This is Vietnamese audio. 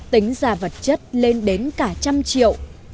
tính ra vật chất lên đến cả trăm triệu